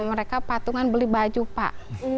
mereka patungan beli baju pak